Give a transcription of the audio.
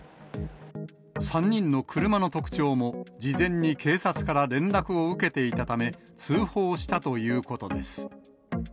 ３人の車の特徴も、事前に警察から連絡を受けていたため、通報したということです。